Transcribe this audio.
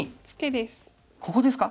ここですか？